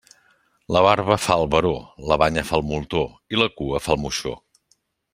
La barba fa el baró, la banya fa el moltó i la cua fa el moixó.